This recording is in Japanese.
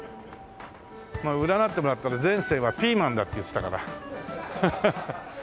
まあ占ってもらったら「前世はピーマンだ」って言ってたから。